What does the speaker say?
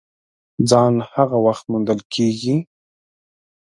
ځان هغه وخت موندل کېږي !